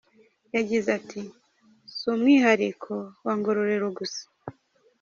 Yagize ati "Si umwihariko wa Ngororero gusa.